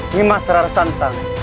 nyimak serar santang